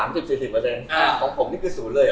ของผมนี่คือ๐เลยเหรอ